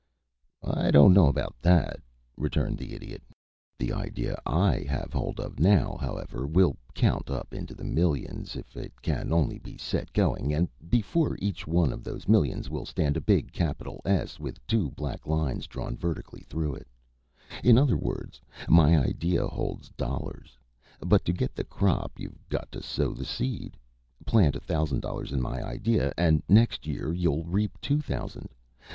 "I don't know about that," returned the Idiot. "The idea I have hold of now, however, will count up into the millions if it can only be set going, and before each one of those millions will stand a big capital S with two black lines drawn vertically through it in other words, my idea holds dollars, but to get the crop you've got to sow the seed. Plant a thousand dollars in my idea, and next year you'll reap two thousand.